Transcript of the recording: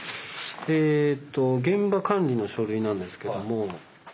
えと現場管理の書類なんですけども。